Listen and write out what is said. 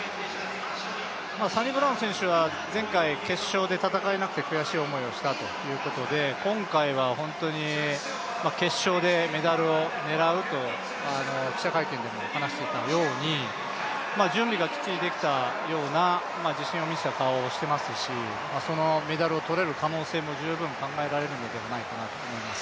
サニブラウン選手は前回決勝で戦えなくて悔しい思いをしたということで今回は本当に決勝でメダルを狙うと記者会見でも話していたように準備がきっちりできたような自信のある顔を見せていますしそのメダルを取れる可能性も十分考えられるのではないかなと思います。